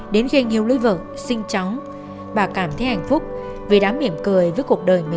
đến khi anh hiếu lấy vợ sinh chóng bà cảm thấy hạnh phúc vì đã miệng cười với cuộc đời mình